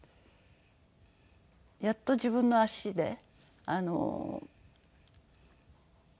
やっと自分の足であの。